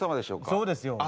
そうですよ。